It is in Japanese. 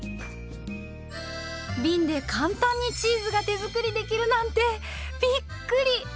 びんで簡単にチーズが手作りできるなんてびっくり！